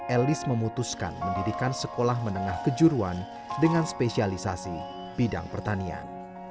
elis memutuskan mendirikan sekolah menengah kejuruan dengan spesialisasi bidang pertanian